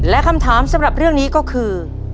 และคำถามสำหรับเรื่องนี้ก็คือ